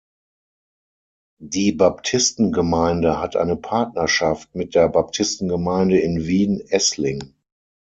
Die Baptistengemeinde hat eine Partnerschaft mit der Baptistengemeinde in Wien-Essling.